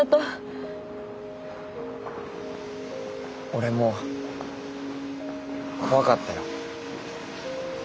俺も怖かったよ。